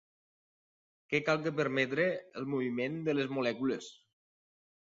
Què cal per permetre el moviment de les molècules?